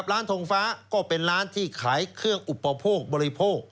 ร้านทงฟ้าก็เป็นร้านที่ขายเครื่องอุปโภคบริโภค